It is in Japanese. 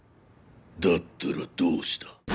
だったらどうした。